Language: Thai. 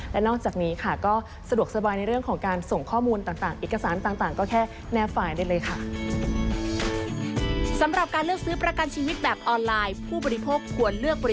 และนอกจากนี้ค่ะก็สะดวกสบายในเรื่องของการส่งข้อมูลต่างเอกสารต่างก็แค่แนบไฟล์ได้เลยค่ะ